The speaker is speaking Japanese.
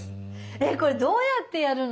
えっこれどうやってやるの？